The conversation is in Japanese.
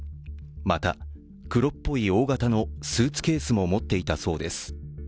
また黒っぽい大型のスーツケースも持っていたそうです。